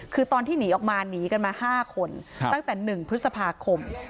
คือตอนที่หนีออกมาหนีกันมา๕คนตั้งแต่๑พฤษภาคม